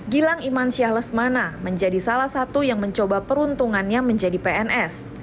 gilang iman syah lesmana menjadi salah satu yang mencoba peruntungannya menjadi pns